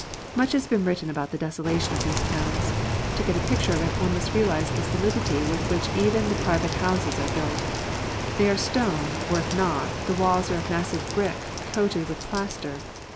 Much has been written about the desolation of these towns. To get a picture of it one must realise the solidity with which even the private houses are built. They are stone, or if not, the walls are of massive brick coated with plaster.